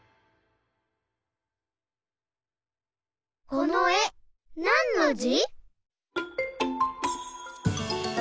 このえなんのじ？